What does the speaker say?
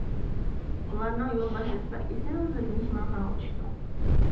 ئۇلارنىڭ يول باشلىشىدا ئېسىل بىر مېھمانخانىغا چۈشتۇق.